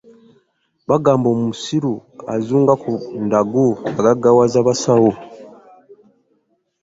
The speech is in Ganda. Bagamba omusiru azunga ku ndagu agaggawaza basawo.